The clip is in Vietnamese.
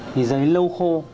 thì giấy lâu khô